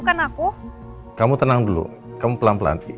kamu tenang dulu kamu pelan pelan